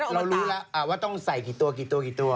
เรารู้แล้วว่าต้องใส่กี่ตัวแล้ว